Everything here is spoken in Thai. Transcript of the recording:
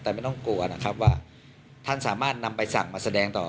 แต่ไม่ต้องกลัวนะครับว่าท่านสามารถนำใบสั่งมาแสดงต่อ